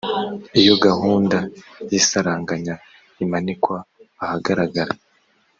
iyo gahunda y’isaranganya imanikwa ahagaragara